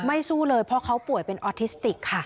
สู้เลยเพราะเขาป่วยเป็นออทิสติกค่ะ